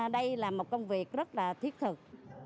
đây là một công việc rất là thiết thực